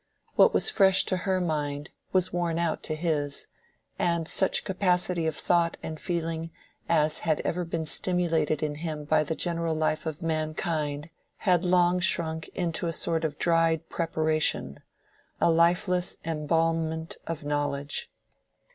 What was fresh to her mind was worn out to his; and such capacity of thought and feeling as had ever been stimulated in him by the general life of mankind had long shrunk to a sort of dried preparation, a lifeless embalmment of knowledge.